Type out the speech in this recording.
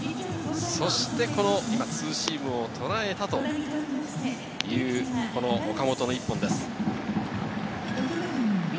そしてツーシームをとらえた岡本の一本です。